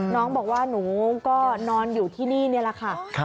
น้องบอกว่าหนูก็นอนอยู่ที่นี่นี่แหละค่ะ